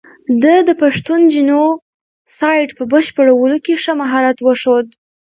ده د پښتون جینو سایډ په بشپړولو کې ښه مهارت وښود.